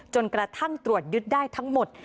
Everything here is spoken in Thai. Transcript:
จนกระทั่งตรวจยึดได้ทั้งหมด